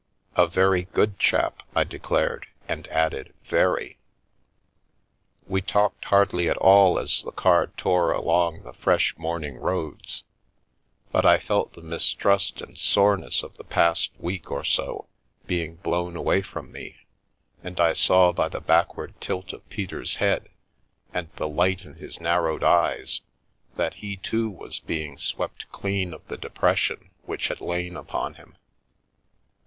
" A very good chap," I declared, and added, " very." We talked hardly at all as the car tore along the fresh, morning roads, but I felt the mistrust and soreness of the past week or so being blown away from me, and I saw by the backward tilt of Peter's head and the light in his narrowed eyes that he too was being swept clean of the depression which had lain upon him.